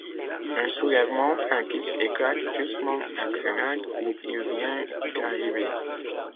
Un soulèvement franquiste éclate justement à Grenade où il vient d'arriver.